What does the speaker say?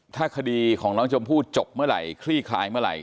ถ้าคดีของน้องชมพู่จบเมื่อไหร่คลี่คลายเมื่อไหร